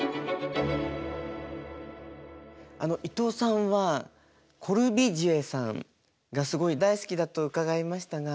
伊東さんはコルビュジエさんがすごい大好きだと伺いましたが。